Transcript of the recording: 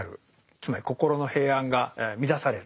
つまり心の平安が乱される。